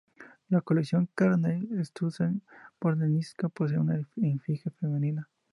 La Colección Carmen Thyssen-Bornemisza posee una efigie femenina.